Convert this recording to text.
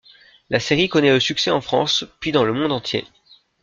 La série connaît le succès en France puis dans le monde entier.